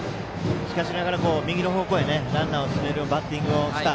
しかしながらも右の方向へランナーを進めるバッティングをした。